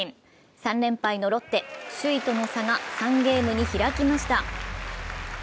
３連敗のロッテ、首位との差が３ゲームに開きました。